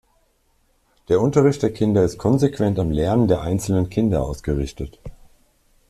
Der Unterricht der Kinder ist konsequent am Lernen der einzelnen Kinder ausgerichtet.